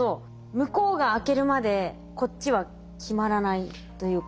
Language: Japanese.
向こうが開けるまでこっちは決まらないというか。